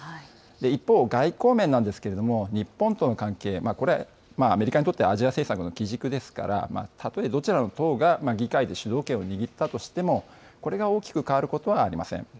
一方、外交面なんですけれども、日本との関係、これ、アメリカにとってはアジア政策の基軸ですから、たとえどちらの党が議会で主導権を握ったとしても、これが大きく変わることはありません。